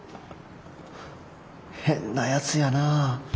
変なやつやなぁ。